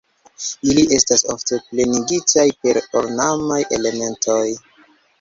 Ili estas ofte plenigitaj per ornamaj elementoj.